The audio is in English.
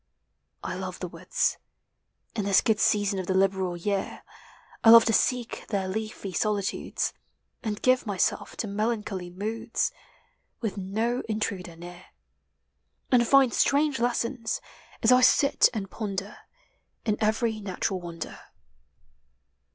I love the woods, In this good season of the liberal year; I love to seek their leafy solitudes, And give myself to melancholy moods, With no intruder near, And find strange lessons, as I sit and ponder, In every natural wonder.